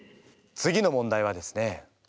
次の問題はですね